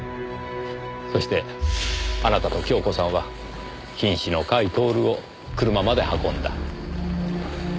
そしてあなたと恭子さんは瀕死の甲斐享を車まで運んだ。